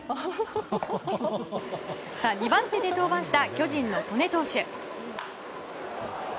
２番手で登板した巨人の戸根投手。